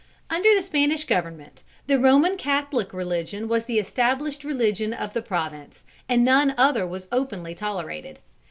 Under the Spanish Government, the Roman Catholic Religion was the established religion of the province, and none other was openly tolerated.